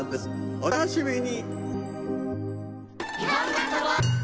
お楽しみに。